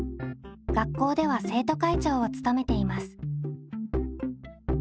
学校では生徒会長を務めています。